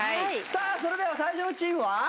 さあそれでは最初のチームは？